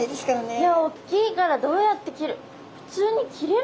いやおっきいからどうやって切る。